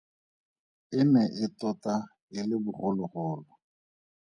E ne e tota e le bogologolo.